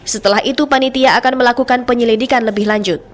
setelah itu panitia akan melakukan penyelidikan lebih lanjut